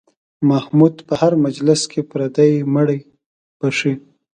محمود په هر مجلس کې پردي مړي بښي.